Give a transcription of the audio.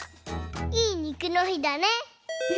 「いいにくの日」だね！